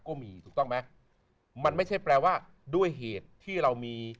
ก็มีถูกต้องไหมมันไม่ใช่แปลว่าด้วยเหตุที่เรามี